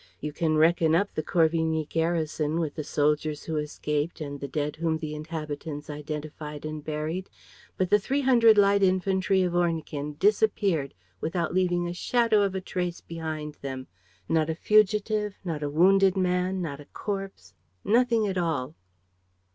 You can reckon up the Corvigny garrison, with the soldiers who escaped and the dead whom the inhabitants identified and buried. But the three hundred light infantry of Ornequin disappeared without leaving the shadow of a trace behind them, not a fugitive, not a wounded man, not a corpse, nothing at all."